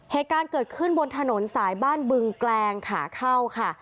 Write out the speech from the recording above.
เหตุการณ์เกิดขึ้นบนถนนสายบ้านบึงแกลงขาเข้าค่ะ